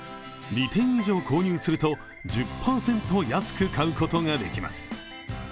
２点以上購入すると１０％安く買うことができます。